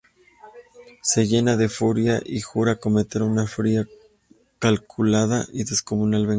Se llena de furia y jura cometer una fría, calculada y descomunal venganza.